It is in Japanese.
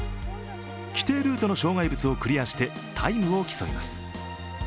規定ルートの障害物をクリアしてタイムを競います。